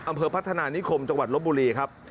อำเภอพัฒนานิคมจังหวัดลบบุรีครับ